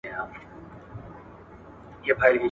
ځوانان بايد خپل وخت په ګټه وکاروي او د کتاب لوستلو عادت خپل کړي